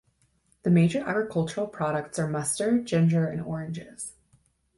The major agricultural products are mustard, ginger and oranges.